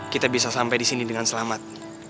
kita bisa sampai disini dengan selamat